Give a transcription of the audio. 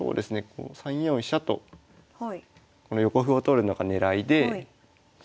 ３四飛車とこの横歩を取るのが狙いで。